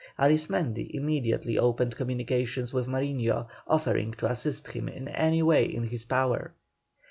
Arismendi immediately opened communications with Mariño, offering to assist him in any way in his power.